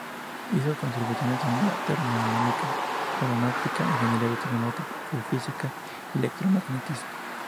Hizo contribuciones en termodinámica, aeronautica, ingeniería de terremoto, geofísica, y electromagnetismo.